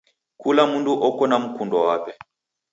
Kula mndu oko na mkundwa wape.